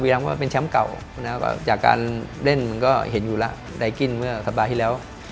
วีรัมเป็นแชมป์เก่าจากการเล่นเห็นอยู่แล้วได้กิ้นเมื่อสัปดาห์ที่แล้ว